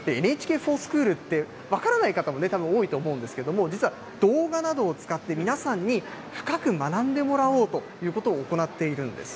ＮＨＫｆｏｒＳｃｈｏｏｌって、分からない方もたぶん多いと思うんですけれども、実は動画などを使って皆さんに深く学んでもらおうということを行っているんです。